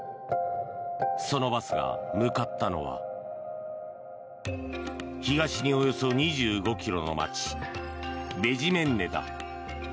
そのバスが向かったのは東におよそ２５ｋｍの街ベジメンネだ。